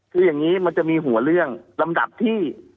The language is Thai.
คืออย่างนี้มันจะมีหัวเรื่องลำดับที่